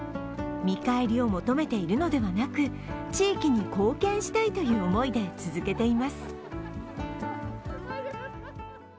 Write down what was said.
見返りを求めているのではなく地域に貢献したいという思いで続けています。